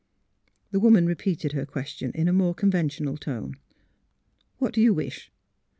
The woman repeated her question in a more conven tional tone. ''What do you wish?